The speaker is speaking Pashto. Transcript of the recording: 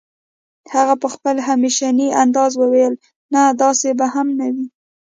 هغې په خپل همېشني انداز وويل نه داسې به هم نه وي